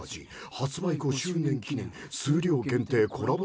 発売５周年記念数量限定コラボ